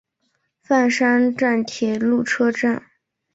饭山站铁路车站。